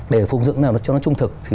để phục dựng cho nó trung thực